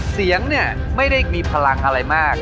เสียงเนี่ยไม่ได้มีพลังอะไรมาก